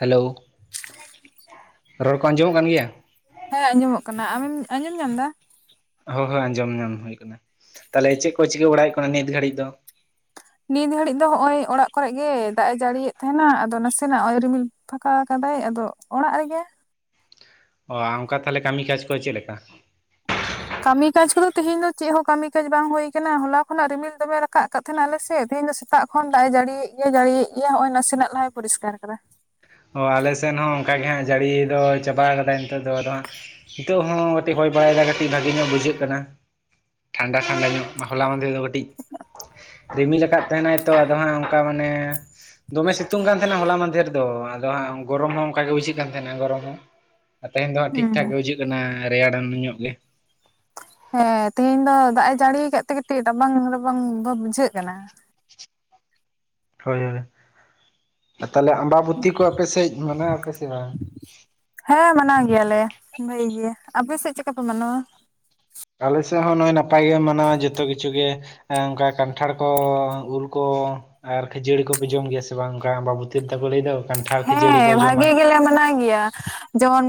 Hello ᱨᱚᱲ ᱠᱚ ᱟᱸᱡᱚᱢᱚᱜ ᱠᱟᱱ ᱜᱮᱭᱟ ᱾ ᱦᱮᱸ ᱟᱸᱡᱚᱢᱚᱜ ᱠᱟᱱᱟ ᱟᱢᱮᱢ ᱟᱸᱡᱚᱢ ᱧᱟᱢ ᱮᱫᱟ ᱾ ᱦᱳ ᱦᱳ ᱟᱸᱡᱚᱢ ᱧᱟᱢ ᱦᱩᱭ ᱟᱠᱟᱱᱟ ᱛᱟᱦᱚᱞᱮ ᱪᱮᱫ ᱠᱚ ᱪᱤᱠᱟᱹ ᱵᱟᱲᱟᱭ ᱮᱫ ᱠᱟᱱᱟ ᱱᱤᱛ ᱜᱷᱟᱹᱲᱤᱡ ᱫᱚ ᱾ ᱱᱤᱛ ᱜᱷᱟᱲᱤᱡ ᱫᱚ ᱱᱚᱜ ᱚᱭ ᱚᱲᱟᱜ ᱠᱚᱨᱮ ᱜᱮ ᱫᱟᱜ ᱮ ᱡᱟᱹᱲᱤᱭᱮᱫ ᱛᱟᱦᱮᱱᱟ ᱟᱫᱚ ᱱᱟᱥᱮᱱᱟᱜ ᱱᱚᱜ ᱚᱭ ᱨᱤᱢᱤᱞ ᱾ ᱯᱷᱟᱠᱟ ᱟᱠᱟᱫᱟᱭ ᱟᱫᱚ ᱚᱲᱟᱜ ᱨᱮᱜᱮ ᱾ ᱚᱱᱠᱟ ᱛᱟᱦᱚᱞᱮ ᱠᱟᱹᱢᱤ ᱠᱟᱡᱽ ᱠᱚ ᱪᱮᱫ ᱞᱮᱠᱟ ᱾ ᱠᱟᱹᱢᱤ ᱠᱟᱡ ᱠᱚᱫᱚ ᱛᱮᱦᱮᱧ ᱫᱚ ᱪᱮᱫ ᱦᱚᱸ ᱠᱟᱹᱢᱤ ᱠᱟᱡ ᱵᱟᱝ ᱦᱳᱭ ᱟᱠᱟᱱᱟ ᱦᱚᱞᱟ ᱠᱷᱚᱱᱟᱜ ᱨᱤᱢᱤᱞ ᱫᱚᱢᱮ ᱨᱟᱠᱟᱵ ᱟᱠᱟᱫ ᱾ ᱛᱮᱦᱮᱱᱚ ᱟᱞᱮᱥᱮᱫ ᱛᱮᱦᱤᱧ ᱫᱚ ᱥᱮᱛᱟᱜ ᱠᱷᱚᱱ ᱫᱟᱜ ᱮ ᱡᱟᱹᱲᱤ ᱮᱛ ᱜᱮᱭᱟ ᱡᱟᱹᱲᱤ ᱮᱛ ᱜᱮᱭᱟ ᱱᱚᱜᱼᱚᱭ ᱱᱟᱥᱮᱱᱟᱜ ᱞᱟᱦᱟᱭ ᱯᱚᱨᱤᱥᱠᱟᱨ ᱟᱠᱟᱫᱟ ᱾ ᱚ ᱟᱞᱮᱥᱮᱫ ᱦᱚᱸ ᱚᱱᱠᱟ ᱜᱮ ᱦᱟᱸᱜ ᱡᱟᱹᱲᱤ ᱫᱚ ᱪᱟᱵᱟ ᱠᱟᱫᱟᱭ ᱱᱤᱛᱚᱜ ᱫᱚ ᱟᱫᱚ ᱦᱟᱸᱜ ᱾ ᱱᱤᱛᱚᱜ ᱦᱚᱸ ᱠᱟᱹᱴᱤᱡ ᱦᱚᱭ ᱵᱟᱲᱟᱭᱮᱫᱟ ᱠᱟᱹᱴᱤᱡ ᱵᱷᱟᱜᱤ ᱧᱚᱜ ᱵᱩᱡᱷᱟᱹᱜ ᱠᱟᱱᱟ ᱴᱷᱟᱱᱰᱟ ᱴᱷᱟᱱᱰᱟ ᱧᱚᱜ ᱾ ᱦᱚᱞᱟ ᱢᱟᱫᱷᱮᱨ ᱫᱚ ᱠᱟᱹᱴᱤᱡ ᱾ ᱨᱤᱢᱤᱞ ᱟᱠᱟᱫ ᱛᱟᱦᱮᱱᱟᱭ ᱛᱚ ᱟᱫᱚ ᱦᱟᱸᱜ ᱚᱱᱠᱟ ᱢᱟᱱᱮ ᱫᱚᱢᱮ ᱥᱤᱛᱩᱝ ᱠᱟᱱ ᱛᱟᱦᱮᱱᱟ ᱦᱚᱞᱟ ᱢᱟᱫᱷᱮᱨ ᱫᱚ ᱾ ᱟᱫᱚ ᱦᱟᱜ ᱜᱚᱨᱚᱢ ᱦᱚᱸ ᱚᱱᱠᱟ ᱜᱮ ᱵᱩᱡᱷᱟᱹᱜ ᱠᱟᱱ ᱛᱟᱦᱮᱱᱟ ᱜᱚᱨᱚᱢ ᱦᱚᱸ ᱛᱮᱦᱮᱧ ᱫᱚ ᱴᱷᱤᱠ ᱦᱩᱸ ᱴᱷᱟᱠ ᱜᱮ ᱵᱩᱡᱩᱜ ᱾ ᱠᱟᱱᱟ ᱨᱮᱭᱟᱲᱟᱱ ᱧᱚᱜ ᱜᱮ ᱾ ᱦᱮᱸ ᱛᱮᱤᱦᱮᱧ ᱫᱚ ᱫᱟᱜ ᱮ ᱡᱟᱹᱲᱤ ᱟᱠᱟᱫ ᱛᱮ ᱠᱟᱹᱴᱤᱡ ᱨᱟᱵᱟᱝ ᱨᱟᱵᱟᱝ ᱫᱚ ᱵᱩᱡᱷᱟᱹᱜ ᱠᱟᱱᱟ ᱾ ᱦᱳᱭ ᱦᱳᱭ ᱛᱟᱦᱚᱞᱮ ᱟᱢᱵᱟᱵᱛᱤ ᱠᱚ ᱟᱯᱮ ᱥᱮᱫ ᱢᱟᱱᱟᱣ ᱟᱯᱮ ᱥᱮ ᱵᱟᱝ ᱾ ᱦᱮᱸ ᱢᱟᱱᱟᱣ ᱜᱮᱭᱟᱞᱮ ᱵᱷᱟᱹᱜᱤ ᱜᱮ ᱟᱯᱮ ᱥᱮᱫ ᱪᱮᱫ ᱞᱮᱠᱟ ᱯᱮ ᱢᱟᱱᱟᱣ ᱟ ᱾ ᱟᱞᱮ ᱥᱮᱫ ᱦᱚᱸ ᱱᱚᱜᱼᱭ ᱱᱟᱯᱟᱭ ᱜᱮ ᱢᱟᱱᱟᱣᱟ ᱡᱚᱛᱚ ᱠᱤᱪᱷᱩ ᱜᱮ ᱾ ᱦᱮᱸ ᱚᱱᱠᱟ ᱠᱟᱱᱴᱷᱟᱲ ᱠᱚ ᱩᱞ ᱠᱚ ᱾ ᱟᱨ ᱠᱷᱟᱹᱡᱟᱹᱲᱤ ᱠᱚᱯᱮ ᱡᱚᱢ ᱜᱮᱭᱟ ᱥᱮ ᱵᱟᱝ ᱠᱟ ᱟᱢᱵᱟᱵᱩᱛᱤ ᱨᱮ ᱫᱚᱠᱚ ᱞᱟᱹᱭ ᱫᱚ ᱾ ᱦᱮᱸ ᱵᱷᱟᱜᱤ ᱜᱮ ᱞᱮ ᱢᱟᱱᱟᱣ ᱜᱮᱭᱟ ᱾ ᱡᱮᱢᱚᱱ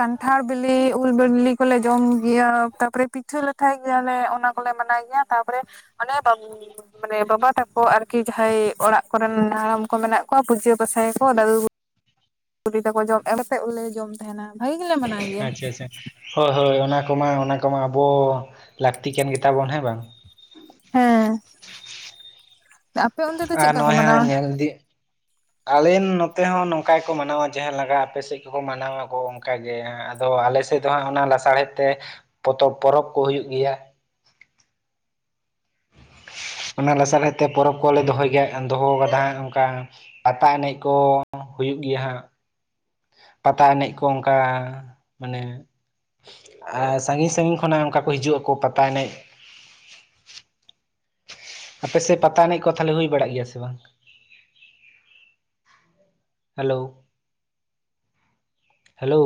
ᱠᱟᱱᱴᱷᱟᱲ ᱵᱤᱞᱤ ᱩᱞ ᱵᱤᱞᱤ ᱠᱚᱞᱮ ᱡᱚᱢ ᱜᱮᱭᱟ ᱛᱟᱯᱚᱨᱮ ᱾ ᱯᱤᱴᱷᱟᱹ ᱞᱟᱴᱷᱟᱭ ᱜᱮᱭᱟᱞᱮ ᱚᱱᱟ ᱠᱚᱞᱮ ᱢᱟᱱᱟᱣ ᱜᱮᱭᱟ ᱛᱟᱯᱚᱨᱮ ᱚᱱᱮ᱾ ᱢᱟᱱᱮ ᱵᱟᱵᱟ ᱛᱟᱠᱚ ᱟᱨᱠᱤ ᱡᱟᱦᱟᱸᱭ ᱚᱲᱟᱜ ᱠᱚᱨᱮᱱ ᱦᱟᱲᱟᱢ ᱠᱚ ᱢᱮᱱᱟᱜ ᱠᱚᱣᱟ ᱯᱩᱡᱟᱹ ᱯᱟᱥᱟ ᱭᱟᱠᱚ ᱫᱟᱹᱫᱩ ᱾ ᱠᱩᱴᱤ ᱛᱟᱠᱚ ᱡᱚᱢ ᱮᱢᱛᱮᱫᱮ ᱡᱚᱢ ᱛᱟᱦᱮᱱᱟ ᱾ ᱵᱷᱟᱜᱮ ᱜᱮᱞᱮ ᱢᱟᱱᱟᱣ ᱜᱮᱭᱟ ᱟᱪᱷᱟ ᱟᱪᱷᱟ ᱾ ᱦᱳᱭ ᱦᱳᱭ ᱚᱱᱟ ᱠᱚᱢᱟ ᱚᱱᱟ ᱠᱚᱢᱟ ᱟᱵᱚ ᱞᱟᱹᱠᱛᱤ ᱠᱟᱱ ᱜᱮ ᱛᱟᱵᱚᱱ ᱦᱮᱸ ᱵᱟᱝ ᱾ ᱦᱮᱸ ᱟᱯᱮ ᱚᱱᱛᱮ ᱫᱚ ᱟᱨ ᱪᱮᱫᱠᱟ ᱠᱚ ᱱᱚᱜᱼᱚᱭ ᱢᱟᱱᱟᱣᱟ ᱧᱮᱞ ᱤᱫᱤ ᱟᱞᱮᱱ ᱱᱚᱛᱮ ᱦᱚᱸ ᱱᱚᱝᱠᱟ ᱜᱮᱠᱚ ᱢᱟᱱᱟᱣᱟ ᱡᱟᱦᱟᱸᱮᱠᱟ ᱟᱯᱮ ᱥᱮᱫ ᱠᱚᱠᱚ ᱢᱟᱱᱟᱣᱟ ᱠᱚ ᱚᱱᱠᱟ ᱜᱮ ᱟᱫᱚ ᱟᱞᱮᱮᱥᱮᱫ ᱫᱚ ᱦᱟᱸᱜ ᱚᱱᱟ ᱞᱟᱥᱟᱲᱦᱮᱫ ᱛᱮ ᱯᱚᱛᱚᱵ ᱯᱚᱨᱚᱵᱽ ᱠᱚ ᱦᱩᱭᱩᱜ ᱜᱮᱭᱟ ᱚᱱᱟ ᱞᱟᱥᱟᱨᱦᱮᱫ ᱛᱮ ᱯᱚᱨᱚᱵᱽ ᱠᱚᱞᱮ ᱫᱚᱦᱚᱭ ᱜᱮᱭᱟ ᱦᱟᱜᱠᱷᱟᱱ ᱫᱚᱦᱚ ᱠᱟᱫᱟ ᱦᱟᱸᱜ ᱚᱱᱠᱟ ᱯᱟᱛᱟ ᱮᱱᱮᱡ ᱠᱚ ᱦᱩᱭᱩᱜ ᱜᱮᱭᱟ ᱦᱟᱸᱜ ᱯᱟᱛᱟ ᱮᱱᱮᱡ ᱠᱚ ᱚᱱᱠᱟ ᱢᱟᱱᱮ ᱟᱨ ᱥᱟᱺᱜᱤᱧ ᱥᱟᱺᱜᱤᱧ ᱠᱷᱚᱱᱟᱜ ᱚᱱᱠᱟ ᱠᱚ ᱦᱤᱡᱩᱜ ᱟᱠᱚ ᱯᱟᱛᱟ ᱮᱱᱮᱡ ᱟᱯᱮ ᱥᱮᱫ ᱯᱟᱛᱟ ᱮᱱᱮᱡ ᱠᱚ ᱛᱟᱦᱮᱞᱮ ᱦᱩᱭ ᱵᱟᱲᱟᱜ ᱜᱮᱭᱟ ᱥᱮ ᱵᱟᱝ ᱦᱮᱞᱳ ᱦᱮᱞᱳ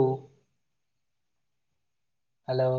ᱦᱮᱞᱳ